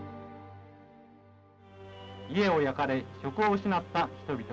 「家を焼かれ職を失った人々。